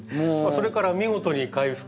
それから見事に回復して。